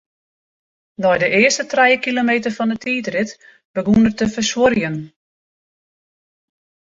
Nei de earste trije kilometer fan 'e tiidrit begûn er te fersuorjen.